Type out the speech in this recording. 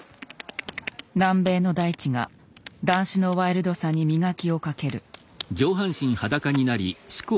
南米の大地が談志のワイルドさに磨きをかける。